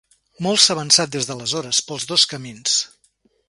Molt s'ha avançat des d'aleshores, pels dos camins.